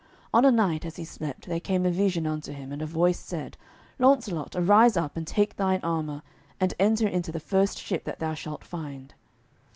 On a night, as he slept, there came a vision unto him, and a voice said, "Launcelot, arise up, and take thine armour, and enter into the first ship that thou shalt find."